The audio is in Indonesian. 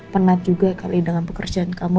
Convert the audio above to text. penat juga kali dengan pekerjaan kamu